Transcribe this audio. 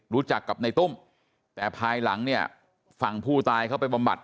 รู้จักกับในตุ้มแต่ภายหลังเนี่ยฝั่งผู้ตายเขาไปบำบัด